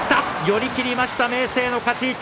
寄り切りました明生の勝ち。